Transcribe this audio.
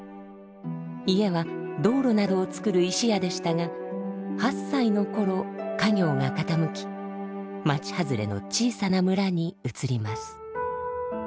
家は道路などをつくる石屋でしたが８歳の頃家業が傾き町外れの小さな村に移ります。